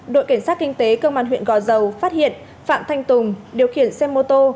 đội kiểm soát kinh tế cơ quan huyện gò dầu phát hiện phạm thanh tùng điều khiển xe mô tô